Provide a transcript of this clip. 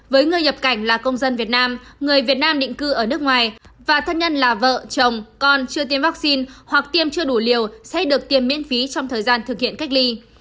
với người nhập cảnh là công dân việt nam người việt nam định cư ở nước ngoài và thân nhân là vợ chồng con chưa tiêm vaccine hoặc tiêm chưa đủ liều sẽ được tiêm miễn phí trong thời gian thực hiện cách ly